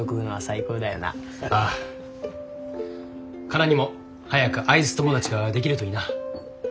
カナにも早くアイス友達ができるといいな。